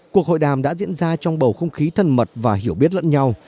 cuộc hội đàm đã diễn ra trong bầu không khí thân mật và hiểu biết lẫn nhau